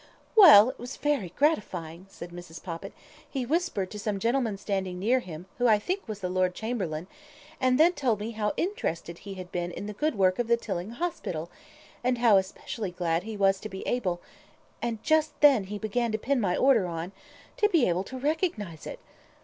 "Well, it was very gratifying," said Mrs. Poppit; "he whispered to some gentleman standing near him, who I think was the Lord Chamberlain, and then told me how interested he had been in the good work of the Tilling hospital, and how especially glad he was to be able and just then he began to pin my Order on to be able to recognize it.